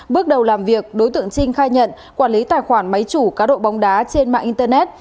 bước đầu làm việc đối tượng trinh khai nhận quản lý tài khoản máy chủ cá độ bóng đá trên mạng internet